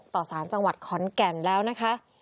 ต่อสารจังหวัดขอนแก่นแล้วนะคะ